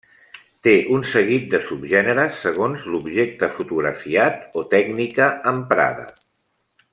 Té un seguit de subgèneres segons l'objecte fotografiat o tècnica emprada.